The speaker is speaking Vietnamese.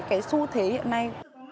cái xu thế hiện nay